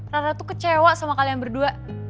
rara tuh kecewa sama kalian berdua